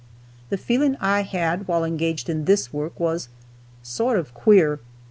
The feeling I had while engaged in this work was "sort of queer."